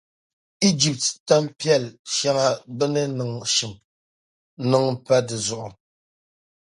Ijipti tampiɛl’ shɛŋa bɛ ni niŋ shim niŋ pa di zuɣu.